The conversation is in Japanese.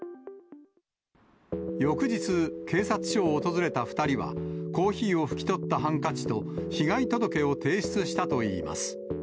翌日、警察署を訪れた２人は、コーヒーを拭き取ったハンカチと、被害届を提出したといいます。